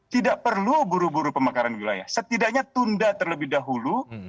tidak perlu buru buru pemekaran wilayah setidaknya tunda terlebih dahulu